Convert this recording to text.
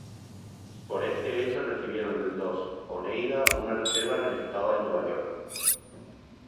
Por este hecho recibieron los oneida una reserva en el estado de Nueva York.